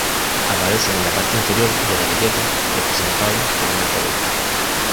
Aparece en la parte inferior de la etiqueta, representado por un altavoz.